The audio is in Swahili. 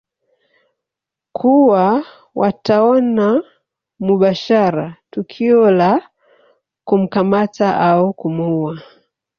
kuwa wataona mubashara tukio la kumkamata au kumuua